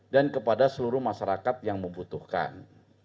dan kepada seluruh masyarakat yang membutuhkan